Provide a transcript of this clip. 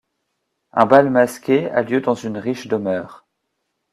Un bal masqué a lieu dans une riche demeure.